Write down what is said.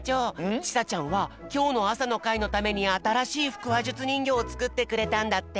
ちさちゃんはきょうのあさのかいのためにあたらしいふくわじゅつにんぎょうをつくってくれたんだって！